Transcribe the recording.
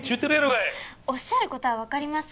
おっしゃる事はわかります。